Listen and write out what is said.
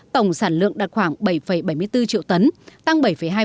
tổng sản lượng đạt khoảng bảy bảy mươi bốn triệu tấn tăng bảy hai